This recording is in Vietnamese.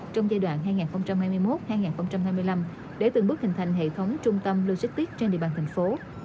trong giai đoạn hai nghìn hai mươi một hai nghìn hai mươi năm để từng bước hình thành hệ thống trung tâm logistics trên địa bàn thành phố